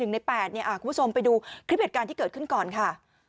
คุณผู้ชมไปดูคลิปเหตุการณ์ที่เกิดขึ้นก่อนค่ะ